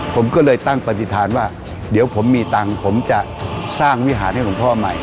ผมก็เลยตั้งปฏิฐานว่าเดี๋ยวผมมีตังค์ผมจะสร้างวิหารให้หลวงพ่อใหม่